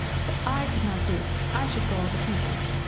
But I could not do it. I should go all to pieces.